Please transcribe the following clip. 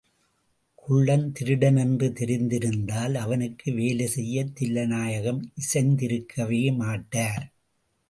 குள்ளன் திருடனென்று தெரிந்திருந்தால் அவனுக்கு வேலை செய்யத் தில்லைநாயகம் இசைந்திருக்கவே மாட்டார்.